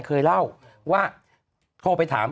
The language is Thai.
เคยเล่าว่าโทรไปถาม